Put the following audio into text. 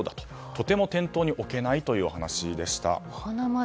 とても店頭に置けないという話でした。